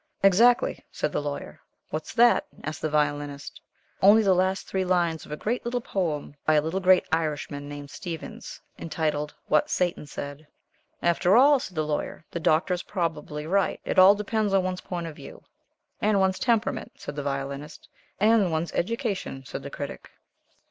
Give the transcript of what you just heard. '" "Exactly," said the Lawyer. "What's that?" asked the Violinist. "Only the last three lines of a great little poem by a little great Irishman named Stephens entitled 'What Satan Said.'" "After all," said the Lawyer, "the Doctor is probably right. It all depends on one's point of view." "And one's temperament," said the Violinist. "And one's education," said the Critic.